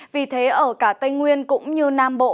vì thế ở cả tây nguyên cũng như nam bộ